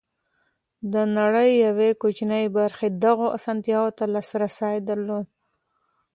د نړۍ یوې کوچنۍ برخې دغو اسانتیاوو ته لاسرسی درلود.